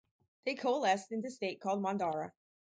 They coalesced into state, called Mandara.